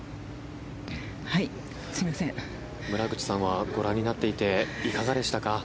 村口さんはご覧になっていていかがでしたか？